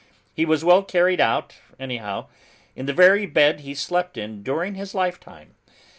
He was well carried out, anyhow, in the very bed he slept in during his lifetime.